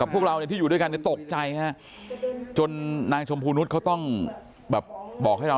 พวกเราที่อยู่ด้วยกันตกใจฮะจนนางชมพูนุษย์เขาต้องแบบบอกให้เรา